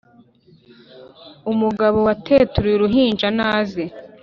umugabo wateturuye uruhinja naze